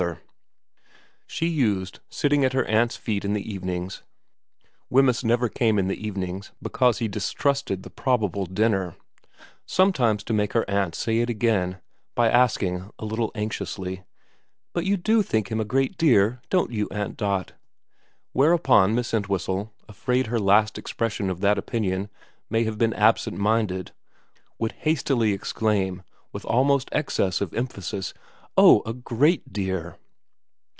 x VERA 101 She used, sitting at her aunt's feet in the evenings Wemyss never came in the evenings because he dis trusted the probable dinner sometimes to make her aunt say it again, by asking a little anxiously, ' But you do think him a great dear, don't you, Aunt Dot ?' Whereupon Miss Entwhistle, afraid her last expression of that opinion may have been absent minded, would hastily exclaim with almost excess of emphasis, ' Oh, a great dear.'